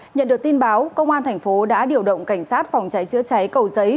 nhận được tin báo công an thành phố đã điều động cảnh sát phòng cháy chữa cháy cầu giấy